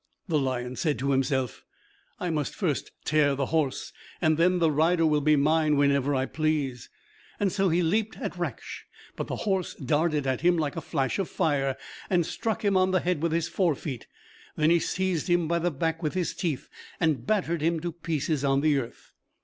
The lion said to himself, "I must first tear the horse, and then the rider will be mine whenever I please." So he leaped at Raksh; but the horse darted at him like a flash of fire, and struck him on the head with his fore feet. Then he seized him by the back with his teeth, and battered him to pieces on the earth.